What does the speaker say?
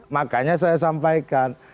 makanya saya sampaikan